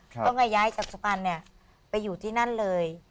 ครับก็กระยายจักรสภัณฑ์เนี่ยไปอยู่ที่นั่นเลย